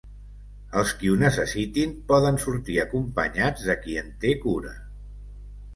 Els qui ho necessitin poden sortir acompanyats de qui en té cura.